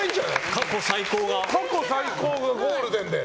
過去最高がゴールデンで。